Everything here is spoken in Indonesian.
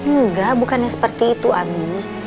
enggak bukannya seperti itu amin